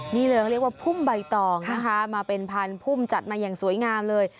นี่เลยเขาเรียกว่าพุ่มใบตองนะคะมาเป็นพันธุมจัดมาอย่างสวยงามเลย